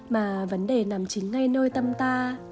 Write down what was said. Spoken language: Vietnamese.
mà vấn đề nằm chính ngay nơi tâm ta